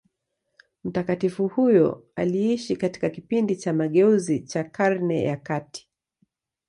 Mtakatifu huyo aliishi katika kipindi cha mageuzi cha Karne za kati.